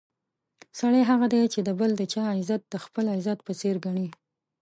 سړی هغه دی چې د بل چا عزت د خپل عزت په څېر ګڼي.